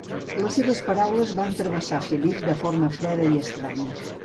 Les seves paraules van travessar Philip de forma freda i estranya.